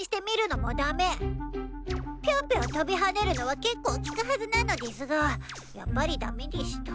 ピョンピョン跳びはねるのは結構利くはずなのでぃすがやっぱり駄目でぃした。